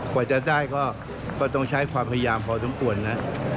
กว่าจะได้ก็ต้องใช้ความพยายามพอสมควรนะ